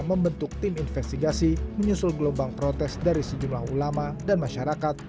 membentuk tim investigasi menyusul gelombang protes dari sejumlah ulama dan masyarakat